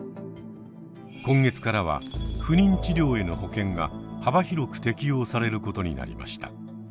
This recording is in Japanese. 今月からは不妊治療への保険が幅広く適用されることになりました。